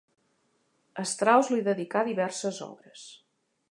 Strauss li dedicà diverses obres.